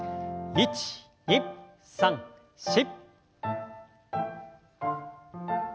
１２３４。